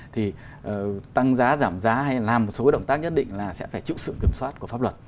thì tăng giá giảm giá hay làm một số động tác nhất định là sẽ phải chịu sự kiểm soát của pháp luật